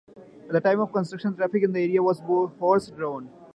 At the time of its construction the traffic in the areas was horse-drawn.